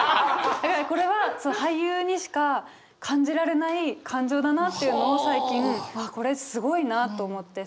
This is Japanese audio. これは俳優にしか感じられない感情だなっていうのを最近ああこれすごいなと思って。